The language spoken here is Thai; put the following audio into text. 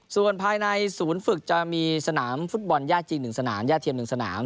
ส่วนภายในศูนย์ฝึกจะมีสนามฟุตบอลย่าจริง๑สนามย่าเทียม๑สนาม